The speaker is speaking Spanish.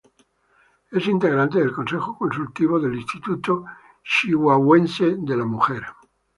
Es integrante del Consejo Consultivo del Instituto Chihuahuense de la Mujer.